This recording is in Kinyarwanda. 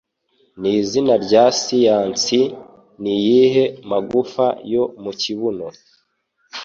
Nizina rya siyansi niyihe magufa yo mu kibuno